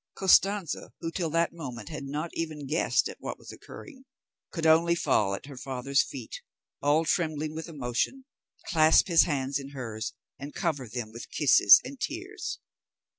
Costanza, who till that moment had not even guessed at what was occurring, could only fall at her father's feet, all trembling with emotion, clasp his hands in hers, and cover them with kisses and tears.